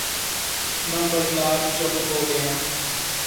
ਨੰਬਰਦਾਰ ਚੁੱਪ ਹੋ ਗਿਆ